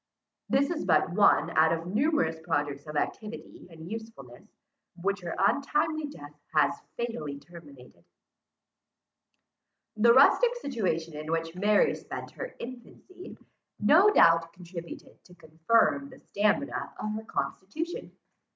This is but one out of numerous projects of activity and usefulness, which her untimely death has fatally terminated. The rustic situation in which Mary spent her infancy, no doubt contributed to confirm the stamina of her constitution.